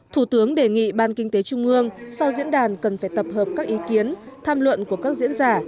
thủ tướng đề nghị ban kinh tế trung ương sau diễn đàn cần phải tập hợp các ý kiến tham luận của các diễn giả